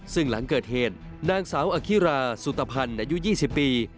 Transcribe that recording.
ซึ่งหลังเกิดเหตุนางสาวอคิราสุตภัณฑ์อายุ๒๐ปี